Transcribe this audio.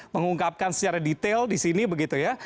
saya tidak ingin mengungkapkan secara detail di sini begitu ya